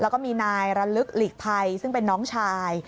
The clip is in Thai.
แล้วก็มีนายระลึกหลีกภัยซึ่งเป็นน้องชาย